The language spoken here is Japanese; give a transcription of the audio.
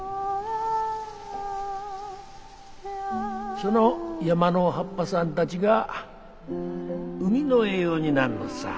その山の葉っぱさんたちが海の栄養になんのっさ。